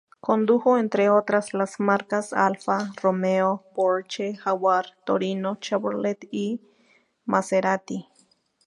Condujo entre otras, las marcas Alfa Romeo, Porche, Jaguar, Torino, Chevrolet, y Maserati.